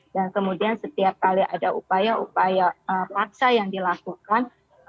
dan kemudian setiap kali ada upaya upaya paksa yang dilakukan